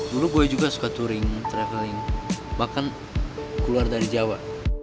dulu gue juga suka touring traveling bahkan keluar dari jawa